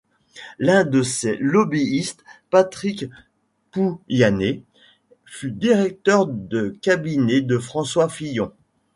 L'un de ses lobbyistes, Patrick Pouyanné, fut directeur de cabinet de François Fillon.